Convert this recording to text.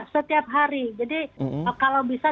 setiap hari jadi kalau bisa